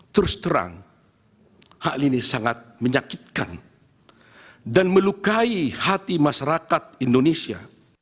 terus terang hal ini sangat menyakitkan dan melukai hati masyarakat indonesia